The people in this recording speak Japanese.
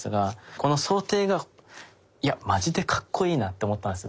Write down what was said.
この装丁がいやマジでかっこいいなと思ったんですよ